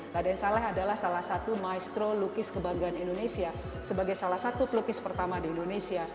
raden saleh adalah salah satu maestro lukis kebanggaan indonesia sebagai salah satu pelukis pertama di indonesia